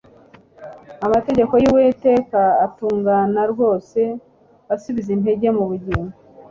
"Amategeko y'Uwiteka atungana rwose asubiza intege mu bugingo'."